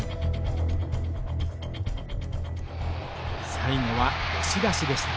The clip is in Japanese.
最後は押し出しでした。